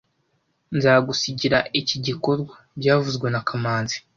Nzagusigira iki gikorwa byavuzwe na kamanzi